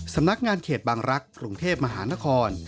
สำนักงานเขตบางรักษ์กรุงเทพมหานคร